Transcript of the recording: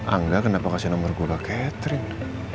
angga kenapa kasih nomer gue ke kak catherine